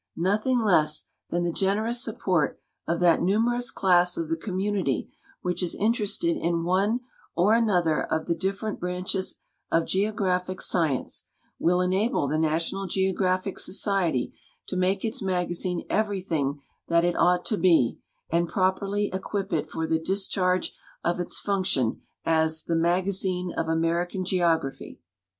Nothing less than the generous support of that numerous class of the community which is interested in one or another of the different branches of geo graphic science will enable the National Geograidiic Society to make its magazine everything that it ought to lie and pro}ierly equip it for the discharge of its function as The ^Magazine of American Geography.